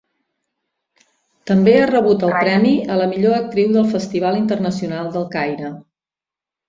També ha rebut el Premi a la millor actriu del Festival Internacional del Caire.